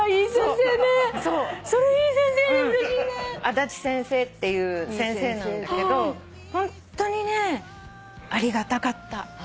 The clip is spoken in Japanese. アダチ先生っていう先生なんだけどホントにねありがたかった。